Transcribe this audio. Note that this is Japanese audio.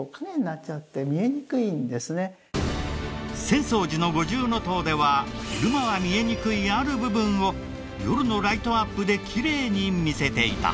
浅草寺の五重塔では昼間は見えにくいある部分を夜のライトアップできれいに見せていた。